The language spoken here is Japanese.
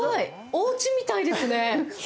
おうちみたいですね。